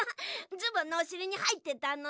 ズボンのおしりにはいってたのだ。